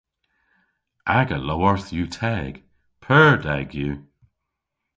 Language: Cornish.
Aga lowarth yw teg. Pur deg yw.